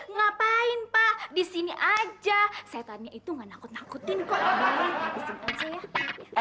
ngapain pak disini aja setannya itu nggak nakut nakutin kok